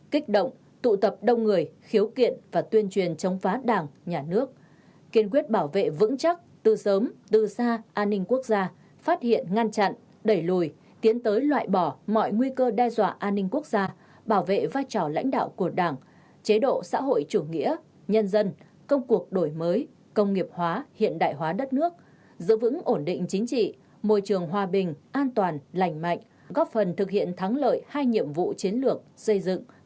kích động tụ tập đông người khiếu kiện và tuyên truyền chống phá đảng nhà nước kiên quyết bảo vệ vững chắc tư sớm tư xa an ninh quốc gia phát hiện ngăn chặn đẩy lùi tiến tới loại bỏ mọi nguy cơ đe dọa an ninh quốc gia bảo vệ vai trò lãnh đạo của đảng chế độ xã hội chủ nghĩa nhân dân công cuộc đổi mới công nghiệp hóa hiện đại hóa đất nước giữ vững ổn định chính trị môi trường hòa bình an toàn lành mạnh góp phần thực hiện thắng lợi hai nhiệm vụ chiến lược xây dựng